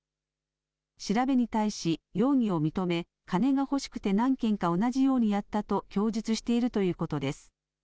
調べに対し、容疑を認め、金が欲しくて何件か同じようにやったと供述しているということです。